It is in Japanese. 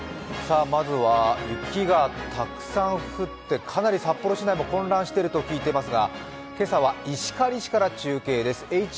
まずは雪がたくさん降ってかなり札幌市内も混乱していると聞いていますが今朝は石狩市から中継です。